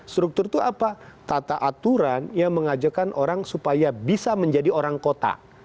struktur itu apa tata aturan yang mengajarkan orang supaya bisa menjadi orang kota